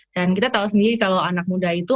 dan kita tahu sendiri kalau anak muda itu